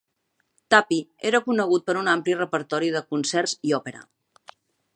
Tappy era conegut per un ampli repertori de concerts i òpera.